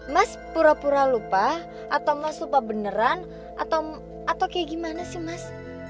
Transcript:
mas pura pura lupa atau mas lupa beneran atau kayak gimana sih mas